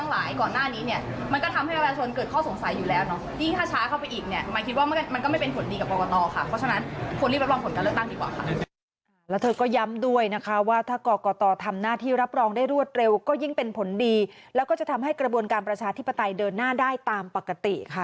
แล้วเธอก็ย้ำด้วยนะคะว่าถ้ากรกตทำหน้าที่รับรองได้รวดเร็วก็ยิ่งเป็นผลดีแล้วก็จะทำให้กระบวนการประชาธิปไตยเดินหน้าได้ตามปกติค่ะ